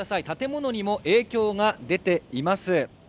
建物にも影響が出ています